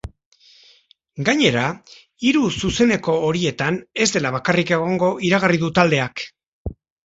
Gainera, hiru zuzeneko horietan ez dela bakarrik egongo iragarri du taldeak.